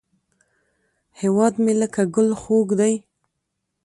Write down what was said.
هیواد مې لکه ګل خوږ دی